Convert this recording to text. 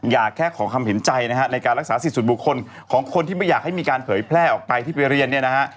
อยากแค่ขอความเห็นใจนะฮะในการรักษาสิทธิส่วนบุคคลของคนที่ไม่อยากให้มีการเผยแพร่ออกไปที่ไปเรียนเนี่ยนะฮะ